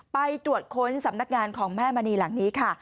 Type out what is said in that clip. ไปตรวจค้นสำนักงานของแม่มณีหลังนี้ค่ะ